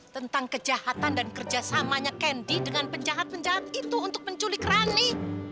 tentang kejahatan dan kerjasamanya kendi dengan penjahat penjahat itu untuk menculik rani